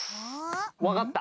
わかった！